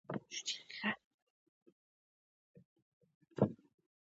له دنیا سره ډغرې دي ټکرې